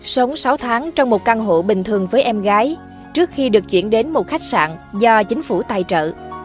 sống sáu tháng trong một căn hộ bình thường với em gái trước khi được chuyển đến một khách sạn do chính phủ tài trợ